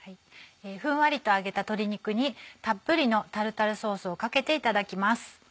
ふんわりと揚げた鶏肉にたっぷりのタルタルソースをかけていただきます。